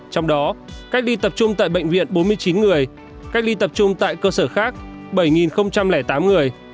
trong đó cách ly tập trung tại bệnh viện bốn mươi chín người cách ly tập trung tại cơ sở khác bảy tám người